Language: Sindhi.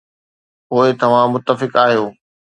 پوء توهان متفق آهيو؟